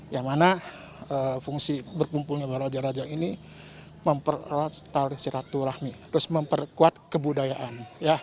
yang mana fungsi berkumpulnya para elajar elajar ini memperkuat silaturahmi memperkuat kebudayaan